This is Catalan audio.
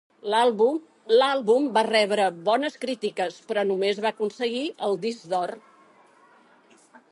L'àlbum va rebre bones crítiques, però només va aconseguir el disc d'or.